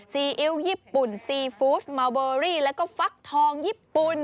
ซีอิ๊วญี่ปุ่นซีฟู้ดเมาเบอรี่แล้วก็ฟักทองญี่ปุ่น